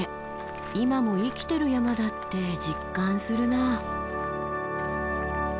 今も生きてる山だって実感するなあ。